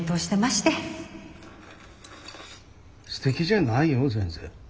すてきじゃないよ全然。